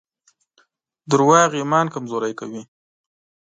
دروغ ایمان کمزوری کوي.